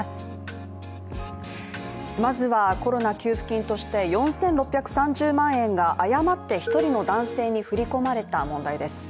まずはコロナ給付金として４６３０万円が誤って１人の男性に振り込まれた問題です。